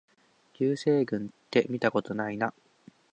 流星群ってみたことないな